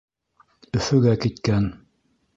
Өфөгә киткән.